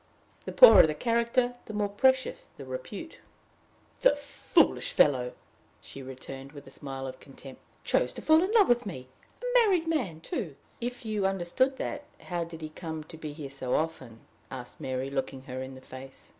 The poorer the character, the more precious the repute! "The foolish fellow," she returned, with a smile of contempt, "chose to fall in love with me! A married man, too!" "If you understood that, how did he come to be here so often?" asked Mary, looking her in the face.